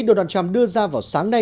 donald trump đưa ra vào sáng nay